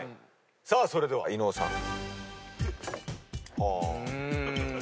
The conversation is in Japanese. それでは伊野尾さん。